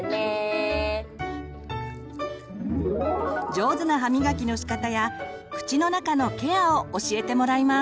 上手な歯みがきのしかたや口の中のケアを教えてもらいます。